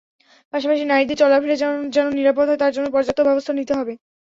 পাশাপাশি নারীদের চলাফেরা যেন নিরাপদ হয়, তার জন্য পর্যাপ্ত ব্যবস্থা নিতে হবে।